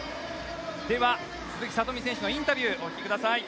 では、鈴木聡美選手のインタビューをご覧ください。